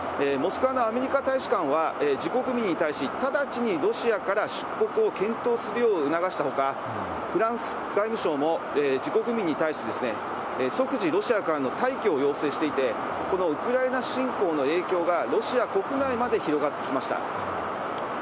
モスクワのアメリカ大使館は、自国民に対し、直ちにロシアから出国を検討するよう促したほか、フランス外務省も自国民に対して、即時ロシアからの退去を要請していて、このウクライナ侵攻の影響がロシア国内まで広がってきました。